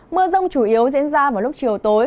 mưa rông chủ yếu diễn ra vào lúc chiều tối